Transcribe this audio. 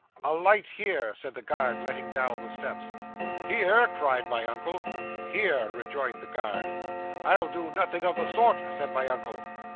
'"Alight here," said the guard, letting down the steps. '"Here!" cried my uncle. '"Here," rejoined the guard. '"I'll do nothing of the sort," said my uncle.